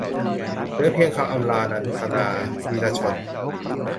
เหลือเพียงคำอำลา - นันทนา วีระชน